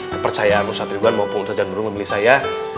kepercayaan ustad ridwan maupun ustad canuyuy memilih saya